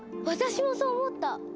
私もそう思った！